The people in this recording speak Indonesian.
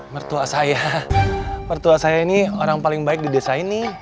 mertua saya mertua saya ini orang paling baik di desa ini